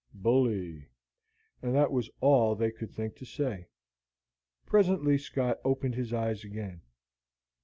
"Bully." And that was all they could think to say. Presently Scott opened his eyes again.